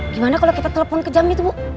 gimana kalo kita telepon ke jamnya tuh bu